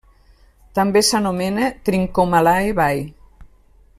També s'anomena Trincomalee Bay.